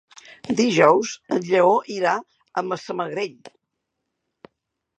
Dijous en Lleó irà a Massamagrell.